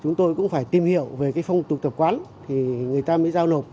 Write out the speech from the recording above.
chúng tôi cũng phải tìm hiểu về cái phong tục tập quán thì người ta mới giao nộp